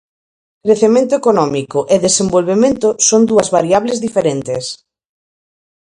Crecemento económico e desenvolvemento son dúas variables diferentes.